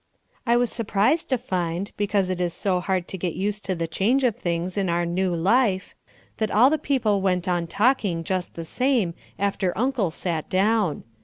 I was surprised to find because it is so hard to get used to the change of things in our new life that all the people went on talking just the same after Uncle sat down.